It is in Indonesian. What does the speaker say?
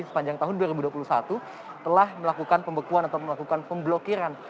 sepanjang tahun dua ribu dua puluh satu telah melakukan pembekuan atau melakukan pemblokiran